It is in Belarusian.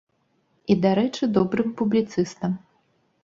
І, дарэчы, добрым публіцыстам.